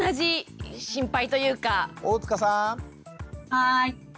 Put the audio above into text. はい。